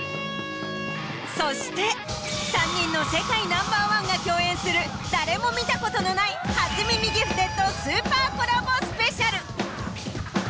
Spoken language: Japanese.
そして３人の世界Ｎｏ．１が共演する誰も見たことのない初耳ギフテッドスーパーコラボスペシャル。